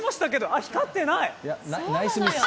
あ、光ってない。